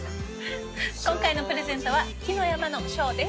今回のプレゼントは木の山の小です。